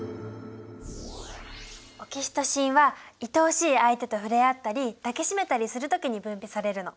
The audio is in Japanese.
オキシトシンはいとおしい相手と触れ合ったり抱き締めたりする時に分泌されるの。